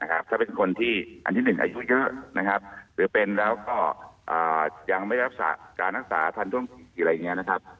ถ้าเป็นคนที่อันที่๑อายุเยอะหรือเป็นแล้วก็ยังไม่รับการรักษาพันธุรกิจอะไรอย่างนี้